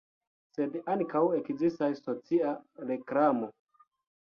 Sed ankaŭ ekzistas socia reklamo.